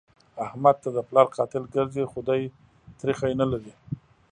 احمد ته د پلار قاتل ګرځي؛ خو دی تريخی نه لري.